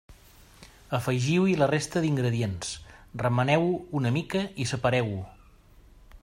Afegiu-hi la resta d'ingredients, remeneu-ho una mica i separeu-ho.